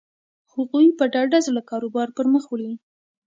هغوی په ډاډه زړه کاروبار پر مخ وړي.